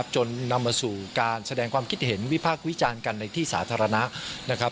จนนำมาสู่การแสดงความคิดเห็นวิพากษ์วิจารณ์กันในที่สาธารณะนะครับ